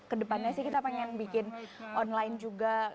kedepannya sih kita pengen bikin online juga